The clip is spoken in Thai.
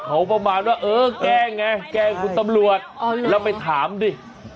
แกล้งคุณตำรวจแล้วไปถามดิ